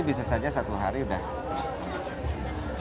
bisa saja satu hari sudah selesai